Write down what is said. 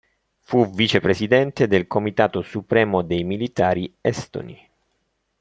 Fu vicepresidente del Comitato Supremo dei Militari Estoni.